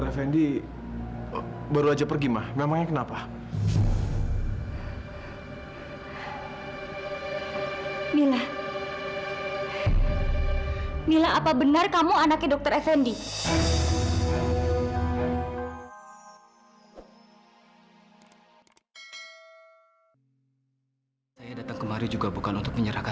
sampai jumpa di video selanjutnya